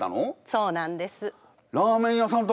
そうなんです。